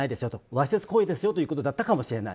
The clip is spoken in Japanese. わいせつ行為ですよということだったかもしれない。